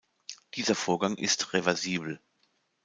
Dieser Vorgang ist reversibel.